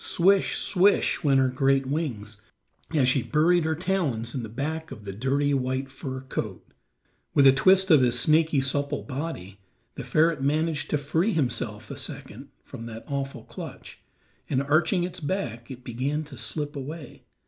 "Swish, swish," went her great wings, as she buried her talons in the back of the dirty white fur coat. With a twist of his snaky, supple body, the ferret managed to free himself a second from that awful clutch, and arching its back, it began to slip away.